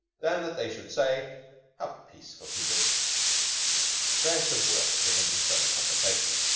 than that they should say, "How peaceful he looks". Stress of work prevented further conversation.